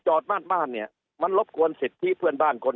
จอดบ้านบ้านเนี้ยมันรบควรสิทธิพี่พี่บ้านคน